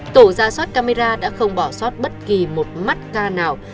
tổ giả soát camera đã không bỏ soát bất kỳ một mắt ca nào